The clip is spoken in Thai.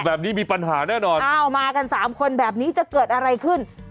แบบนี้มีปัญหาแน่นอนอ้าวมากันสามคนแบบนี้จะเกิดอะไรขึ้น